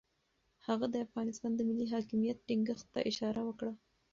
هغه د افغانستان د ملي حاکمیت ټینګښت ته اشاره وکړه.